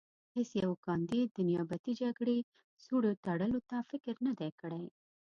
هېڅ یوه کاندید د نیابتي جګړې سوړې تړلو ته فکر نه دی کړی.